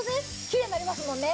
きれいになりますもんね。